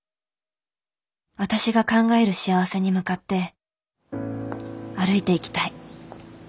私が考える幸せに向かって歩いていきたい。